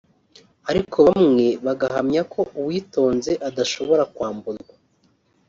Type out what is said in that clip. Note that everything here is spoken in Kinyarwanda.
ariko bamwe bagahamya ko uwitonze adashobora kwamburwa